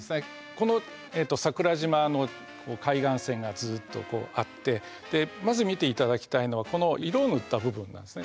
この桜島の海岸線がずっとこうあってでまず見ていただきたいのはこの色を塗った部分なんですね。